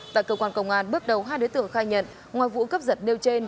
tại cơ quan công an bước đầu hai đối tượng khai nhận ngoài vụ cấp giật nêu trên